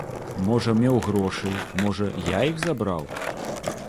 Можа, меў грошы, можа, я іх забраў?